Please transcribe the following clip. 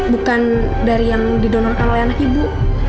bukan dari yang didonorkan oleh anak ibu